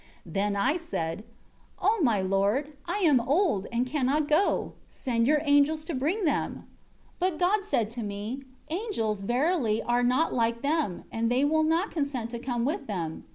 21 Then I said, 'O my Lord, I am old, and cannot go. Send Your angels to bring them.' 22 But God said to me, 'Angels, verily, are not like them; and they will not consent to come with them.